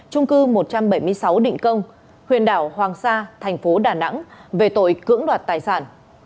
trung cư một trăm bảy mươi sáu định công huyện đảo hoàng sa thành phố đà nẵng về tội cưỡng đoạt tài sản